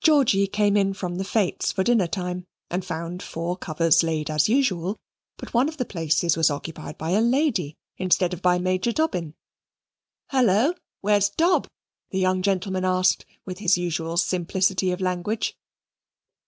Georgy came in from the fetes for dinner time and found four covers laid as usual; but one of the places was occupied by a lady, instead of by Major Dobbin. "Hullo! where's Dob?" the young gentleman asked with his usual simplicity of language.